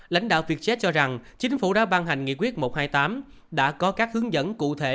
lãnh đạo vietjet cho rằng chính phủ đã ban hành nghị quyết một trăm hai mươi tám đã có các hướng dẫn cụ thể